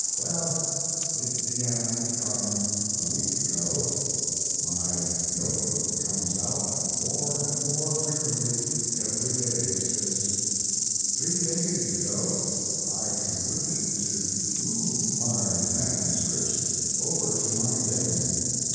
Well, it began to come a week ago; my note book comes out more and more frequently every day since; three days ago I concluded to move my manuscripts over to my den.